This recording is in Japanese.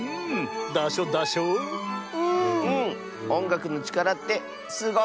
おんがくのちからってすごいッス！